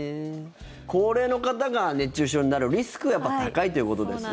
高齢の方が熱中症になるリスクが高いということですよね。